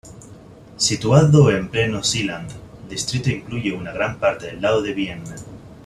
Situado en pleno Seeland, el distrito incluye una gran parte del lago de Bienne.